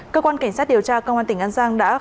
cơ quan cảnh sát điều tra công an tỉnh an giang đã